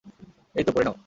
এইতো, পরে নাও।